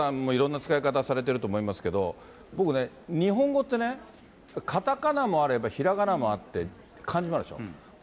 大和証券さんでもいろいろな使い方されてると思いますけど、僕ね、日本語ってね、カタカナもあれば、ひらがなもあって、漢字もあるでしょ。